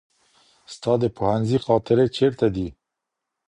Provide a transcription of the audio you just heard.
ستا د پوهنځي خاطرې چیرته دي؟